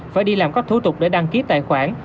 phải đi làm các thủ tục để đăng ký tài khoản